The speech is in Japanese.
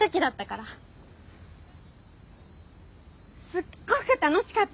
すっごく楽しかったから。